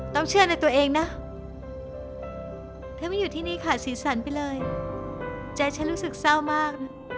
เชื่อในตัวเองนะถ้าไม่อยู่ที่นี่ขาดสีสันไปเลยใจฉันรู้สึกเศร้ามากนะ